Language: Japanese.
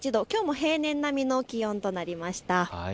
きょうも平年並みの気温となりました。